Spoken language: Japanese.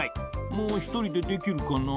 もうひとりでできるかな？